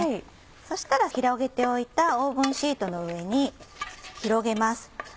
そしたら広げておいたオーブンシートの上に広げます。